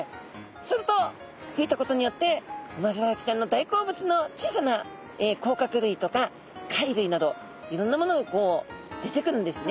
するとふいたことによってウマヅラハギちゃんの大好物の小さなこうかくるいとか貝るいなどいろんなものがこう出てくるんですね。